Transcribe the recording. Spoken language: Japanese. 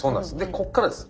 ここからです。